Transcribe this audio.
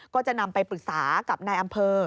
ก็จะนำไปปรึกษากับนายอำเภอ